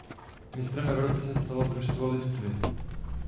Mistrem Evropy se stalo družstvo Litvy.